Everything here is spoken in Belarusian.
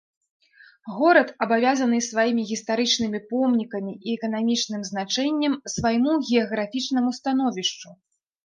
Горад абавязаны сваім гістарычнымі помнікамі і эканамічным значэннем свайму геаграфічнаму становішчу.